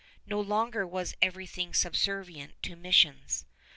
No longer was everything subservient to missions.